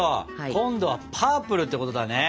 今度はパープルってことだね。